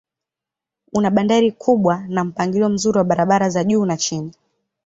Una bandari kubwa na mpangilio mzuri wa barabara za juu na chini.